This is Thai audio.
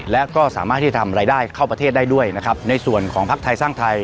และก็สามารถที่จะทำรายได้เข้าประเทศได้ด้วยนะครับในส่วนของภักดิ์ไทยสร้างไทย